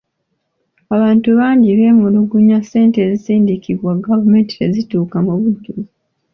Abantu bangi beemulugunya ssente ezisindikibwa gavumenti tezituuka mu bujjuvu.